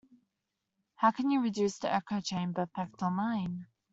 How can you reduce the echo chamber effect online?